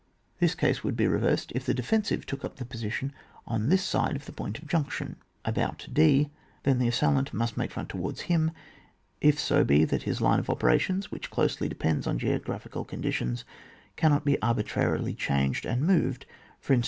The case would be re versed if the defensive took up his posi tion on this side of the point of junction, about d ; then the assailant must make front towards him, if so be that his line of operations, which closely depends on geographical conditions, cannot be arbi trarily changed, and moved, for instance, to the direction a d.